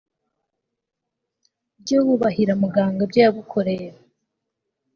ujye wubahira muganga ibyo yagukoreye